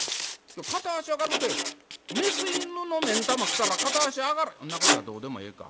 片足上がるてメス犬の目ん玉食うたら片足上がらんそんなことはどうでもええか。